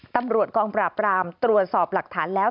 ตำรวจกองปราบรามตรวจสอบหลักฐานแล้ว